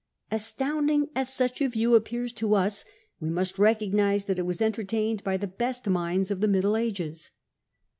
Astounding as such a view appears to us, we must recognise that it was entertained by the best minds of the Middle Ages.